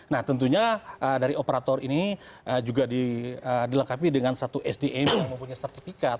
nah tentunya dari operator ini juga dilengkapi dengan satu sdm yang mempunyai sertifikat